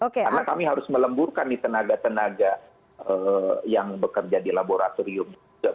karena kami harus melemburkan nih tenaga tenaga yang bekerja di laboratorium